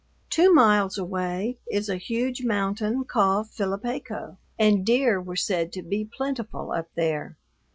Two miles away is a huge mountain called Phillipeco, and deer were said to be plentiful up there.